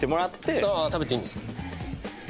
ああ食べていいんですか？